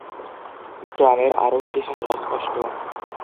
গ্রামের আরও ইতিহাস অস্পষ্ট।